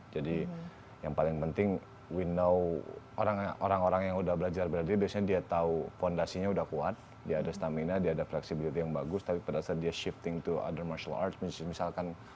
jadi yang paling penting we know orang orang yang udah belajar beradu biasanya dia tau fondasinya udah kuat dia ada stamina dia ada fleksibilitas yang bagus tapi pada saat dia shifting to other martial arts misalkan